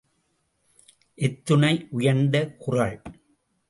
எத்துணை உயர்ந்த குறள்!